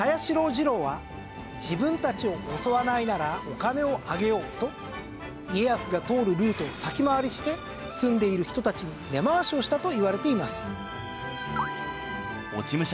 次郎は自分たちを襲わないならお金をあげようと家康が通るルートを先回りして住んでいる人たちに根回しをしたといわれています。